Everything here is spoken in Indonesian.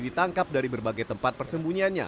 ditangkap dari berbagai tempat persembunyiannya